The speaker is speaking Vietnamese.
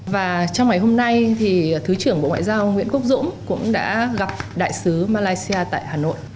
và trong ngày hôm nay thì thứ trưởng bộ ngoại giao nguyễn quốc dũng cũng đã gặp đại sứ malaysia tại hà nội